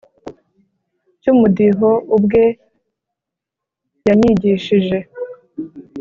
ry’umudiho ubwe yanyigishije